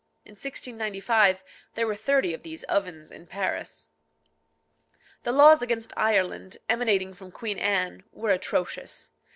In 1695 there were thirty of these ovens in Paris. The laws against Ireland, emanating from Queen Anne, were atrocious.